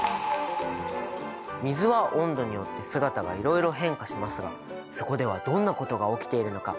水は温度によって姿がいろいろ変化しますがそこではどんなことが起きているのか！？